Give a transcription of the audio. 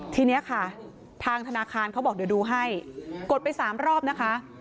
ทีนี้ค่ะทางธนาคารเขาบอกเดี๋ยวดูให้กดไป๓รอบนะคะ